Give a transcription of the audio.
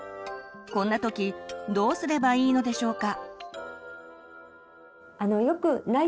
こんな時どうすればいいのでしょうか。